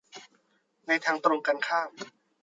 ในทางตรงกันข้าม